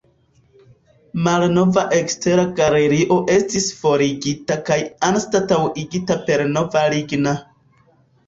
Malnova ekstera galerio estis forigita kaj anstataŭigita per nova ligna.